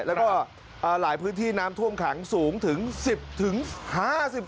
แล้วก็หลายพื้นที่น้ำท่วมขังสูงถึง๑๐๕๐